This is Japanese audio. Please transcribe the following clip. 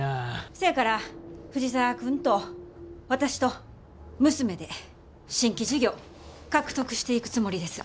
せやから藤沢君と私と娘で新規事業獲得していくつもりです。